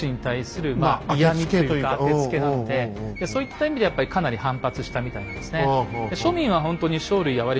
もうこれはそういった意味でやっぱりかなり反発したみたいなんですね。